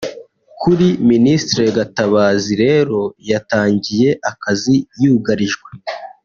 Kuri Ministre Gatabazi rero yatangiye akazi yugarijwe